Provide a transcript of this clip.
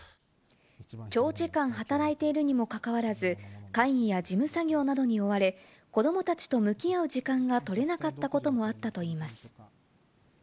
長時間働いているにもかかわらず、会議や事務作業などに追われ、子どもたちと向き合う時間が取れなかったこともあったといいます。